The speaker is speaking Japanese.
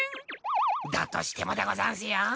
だとしてもでござんすよ？